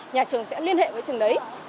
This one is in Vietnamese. nhà trường sẽ liên hệ với trường đấy